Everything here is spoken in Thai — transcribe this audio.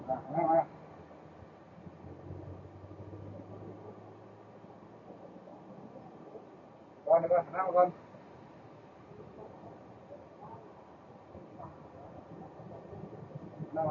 อ้าวอ่าวอ้าวอ้าว